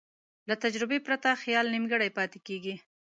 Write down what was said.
له تجربې پرته خیال نیمګړی پاتې کېږي.